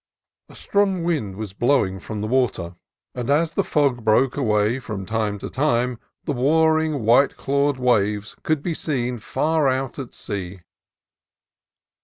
A strong wind was blowing from the water, and as the fog broke away from time to time the warring white clawed waves could be seen far out at sea.